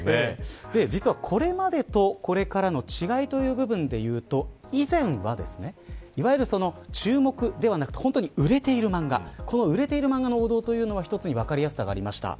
実は、これまでとこれからの違いという意味でいうと以前は注目ではなく売れているマンガの王道というのが一つには分かりやすさがありました。